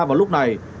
vào lúc này